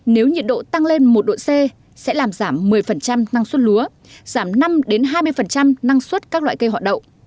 nếu nhiệt độ tăng lên một độ c sẽ làm giảm một mươi năng suất lúa giảm năm hai mươi năng suất các loại cây họa đậu